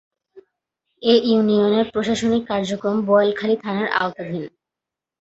এ ইউনিয়নের প্রশাসনিক কার্যক্রম বোয়ালখালী থানার আওতাধীন।